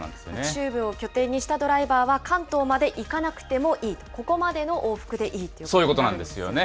中部を拠点にしたドライバーは関東まで行かなくてもいい、ここまでの往復でいいということになるんですね。